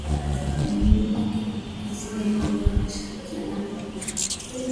Jamuhuri ya kidemokrasia ya Kongo inashirikiana Mipaka